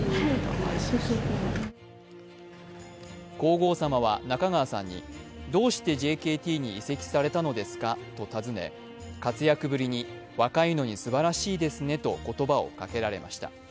皇后さまは仲川さんに、どうしてＪＫＴに移籍されたのですかと尋ね活躍ぶりに若いのにすばらしいですねと言葉をかけられました。